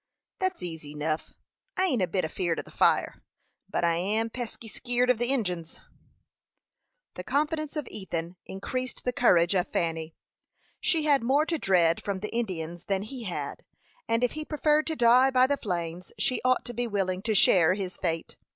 "That's easy enough. I ain't a bit afeered of the fire, but I am pesky skeered of the Injins." The confidence of Ethan increased the courage of Fanny. She had more to dread from the Indians than he had, and if he preferred to die by the flames, she ought to be willing to share his fate.